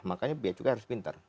makanya biaya cukai harus pintar